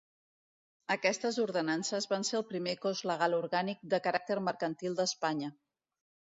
Aquestes ordenances van ser el primer cos legal orgànic de caràcter mercantil d'Espanya.